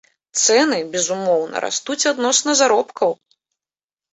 Цэны, безумоўна, растуць адносна заробкаў.